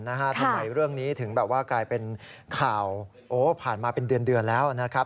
ทำไมเรื่องนี้ถึงแบบว่ากลายเป็นข่าวผ่านมาเป็นเดือนแล้วนะครับ